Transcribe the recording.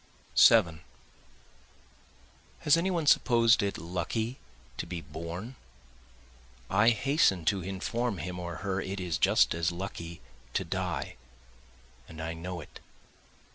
7 Has any one supposed it lucky to be born? I hasten to inform him or her it is just as lucky to die, and I know it.